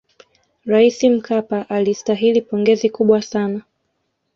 raisi mkapa alistahili pongezi kubwa sana